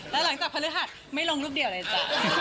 แล้วหลังจากพฤหัสไม่ลงรูปเดียวเลยจ้ะ